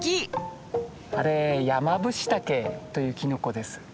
あれヤマブシタケというキノコです。